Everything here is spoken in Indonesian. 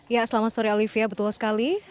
ya selama story olivia betul sekali